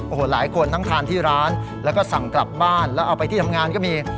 โอ้โหหลายคนทั้งทานที่ร้านแล้วก็สั่งกลับบ้านแล้วเอาไปที่ทำงานก็มี